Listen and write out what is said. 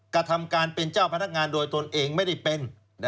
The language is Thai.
กระทำการเป็นเจ้าพนักงานโดยตนเองไม่ได้เป็น